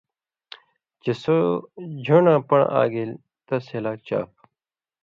چے سو ژھݩڈاں پن٘ڑہۡ آ گیل تس ہِلاک چاپ۔